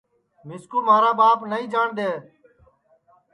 مِسکُو مھارا ٻاپ نائی جاٹؔ دؔے